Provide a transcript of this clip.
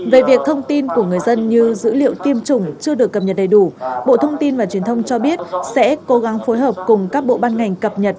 về việc thông tin của người dân như dữ liệu tiêm chủng chưa được cập nhật đầy đủ bộ thông tin và truyền thông cho biết sẽ cố gắng phối hợp cùng các bộ ban ngành cập nhật